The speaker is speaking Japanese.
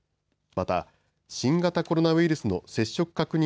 また新型コロナウイルスの接触確認